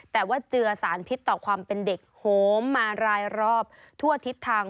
แต่ว่าเจือสารพิษต่อความเป็นเด็กโหมมารายรอบทั่วทิศทาง